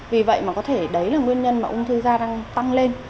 vì vậy mà có thể đấy là nguyên nhân mà ung thư da đang tăng lên